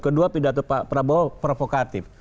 kedua pidato pak prabowo provokatif